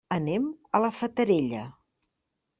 Anem a la Fatarella.